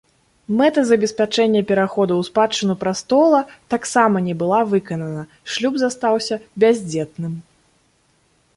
Мэта забеспячэння пераходу ў спадчыну прастола таксама не была выканана, шлюб застаўся бяздзетным.